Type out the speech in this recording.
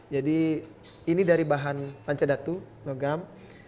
jadi ini dari bahan pancadhatu logam